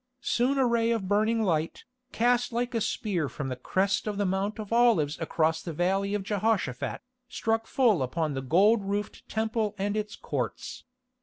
Soon a ray of burning light, cast like a spear from the crest of the Mount of Olives across the Valley of Jehoshaphat, struck full upon the gold roofed Temple and its courts.